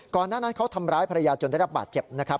หน้านั้นเขาทำร้ายภรรยาจนได้รับบาดเจ็บนะครับ